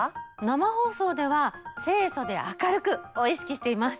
生放送では清楚で明るく！を意識しています。